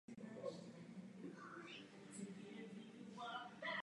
Na ostrosti získaly díky novému systému adaptivní optiky.